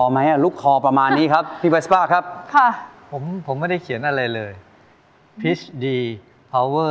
ไม่มีการที่มากกว่านั่นเลยครับ